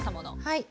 はい。